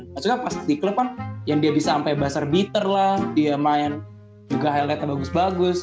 maksudnya pas di klub kan yang dia bisa sampai basar beater lah dia main juga highlightnya bagus bagus